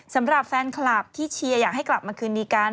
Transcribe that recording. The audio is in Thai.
สำหรับแฟนคลับที่เชียร์อยากให้กลับมาคืนดีกัน